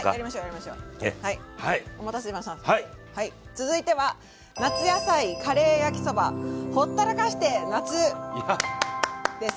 続いては「夏野菜カレー焼きそばほったらかして夏」です。